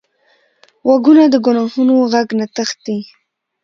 غوږونه د ګناهونو غږ نه تښتي